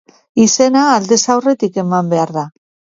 Izena aldez aurretik eman behar da.